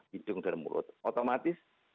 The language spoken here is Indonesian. hidung dan mulut otomatis